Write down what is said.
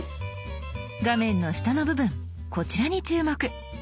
画面の下の部分こちらに注目。